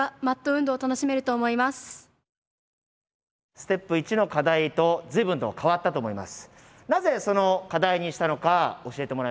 ステップ１の課題と随分と変わったと思います。